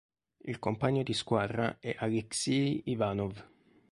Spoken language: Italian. Il compagno di squadra è Alexey Ivanov.